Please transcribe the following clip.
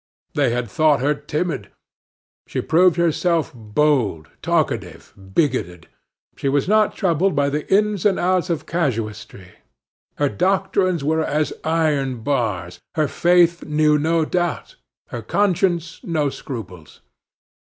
They had thought her timid; she proved herself bold, talkative, bigoted. She was not troubled by the ins and outs of casuistry; her doctrines were as iron bars; her faith knew no doubt; her conscience no scruples.